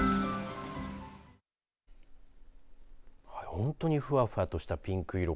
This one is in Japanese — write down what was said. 本当にふわふわとしたピンク色。